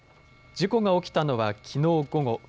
事故が起きたのはきのう午後。